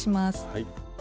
はい。